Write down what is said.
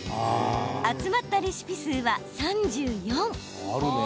集まったレシピ数は３４。